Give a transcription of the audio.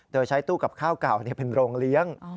โดยใช้ตู้กับข้าวเก่าเป็นโรงเลี้ยง